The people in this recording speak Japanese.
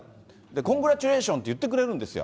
コングラッチュレーションって言ってくれるんですよ。